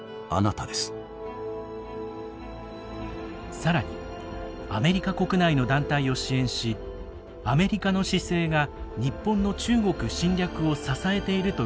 更にアメリカ国内の団体を支援しアメリカの姿勢が日本の中国侵略を支えていると訴えるビラを配布。